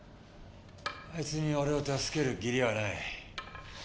あいつには俺を助ける義理はない。